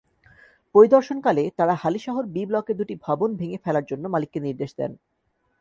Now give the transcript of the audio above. পরিদর্শনকালে তাঁরা হালিশহর বি-ব্লকের দুটি ভবন ভেঙে ফেলার জন্য মালিককে নির্দেশ দেন।